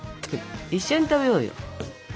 一緒に食べようよ。